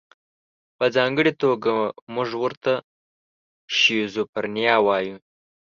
په ځانګړې توګه موږ ورته شیزوفرنیا وایو.